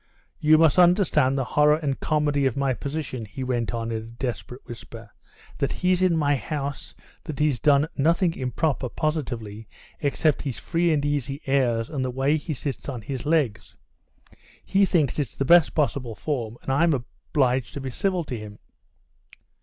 "You must understand the horror and comedy of my position," he went on in a desperate whisper; "that he's in my house, that he's done nothing improper positively except his free and easy airs and the way he sits on his legs. He thinks it's the best possible form, and so I'm obliged to be civil to him."